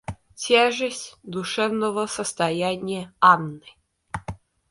Тяжесть душевного состояния Анны.